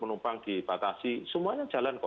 penumpang di bakasi semuanya jalan kok